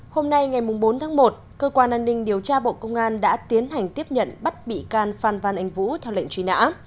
hôm nay ngày bốn tháng một cơ quan an ninh điều tra bộ công an đã tiến hành tiếp nhận bắt bị can phan văn anh vũ theo lệnh truy nã